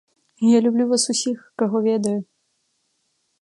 Я люблю вас усіх, каго ведаю.